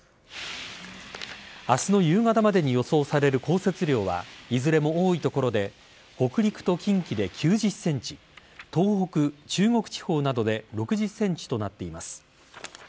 明日の夕方までに予想される降雪量はいずれも多い所で北陸と近畿で９０ｃｍ東北、中国地方などで６０ｃｍとなっています。